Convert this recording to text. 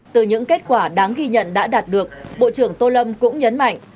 từ những kết quả đáng ghi nhận đã đạt được bộ trưởng tô lâm cũng nhấn mạnh